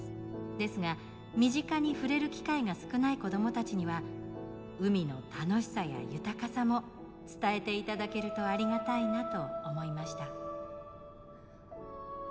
ですが身近に触れる機会が少ない子どもたちには海の楽しさや豊かさも伝えていただけるとありがたいなとおもいました」。